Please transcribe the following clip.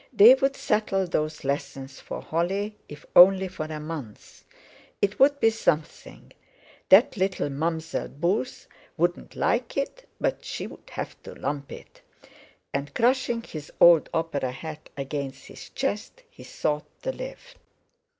They would settle those lessons for Holly, if only for a month. It would be something. That little Mam'zelle Beauce wouldn't like it, but she would have to lump it. And crushing his old opera hat against his chest he sought the lift.